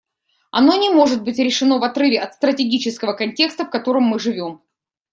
Оно не может быть решено в отрыве от стратегического контекста, в котором мы живем.